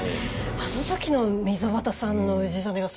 あの時の溝端さんの氏真がすごい鬼気迫る。